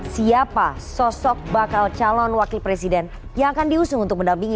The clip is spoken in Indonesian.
siapa sosok bakal calon wakil presiden yang akan diusung untuk mendampingi